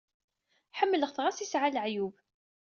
Ḥemmleɣ-t, ɣas yesɛa leɛyub.